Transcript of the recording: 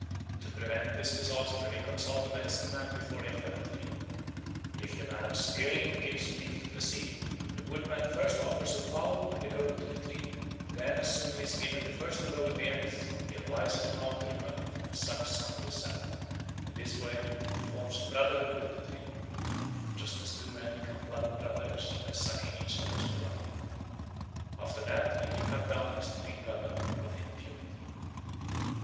To prevent this disaster they consult a medicine man before they fell a tree. If the man of skill gives leave to proceed, the woodman first offers a fowl and a goat to the tree; then as soon as he has given the first blow with the axe, he applies his mouth to the cut and sucks some of the sap. In this way he forms a brotherhood with the tree, just as two men become blood brothers by sucking each other's blood. After that he can cut down his tree brother with impunity.